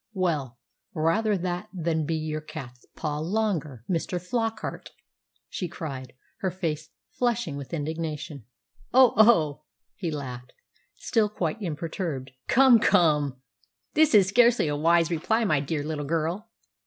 "Well, rather that than be your cat's paw longer, Mr. Flockart!" she cried, her face flushing with indignation. "Oh, oh!" he laughed, still quite imperturbed. "Come, come! This is scarcely a wise reply, my dear little girl!"